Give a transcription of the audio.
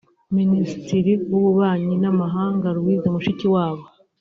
Minisitiri w’ububanyi n’Amahanga Louise Mushikiwabo